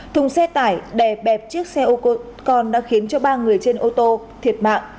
thùng xe tải đè bẹp chiếc xe ô tô con đã khiến cho ba người trên ô tô thiệt mạng